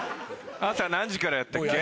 朝何時からやったっけ？